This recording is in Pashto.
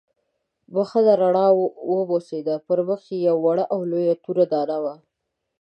بښنه رڼا وموسېده، پر مخ یې یوه وړه او لویه توره دانه وه.